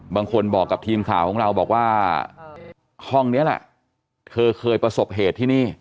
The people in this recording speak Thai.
บางคนบอกกับทีมข่าวของเราบอกว่าห้องนี้แหละเธอเคยประสบเหตุที่นี่